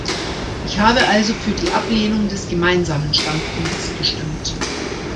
Ich habe also für die Ablehnung des gemeinsamen Standpunkts gestimmt.